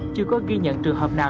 chưa có ghi nhận trường hợp nào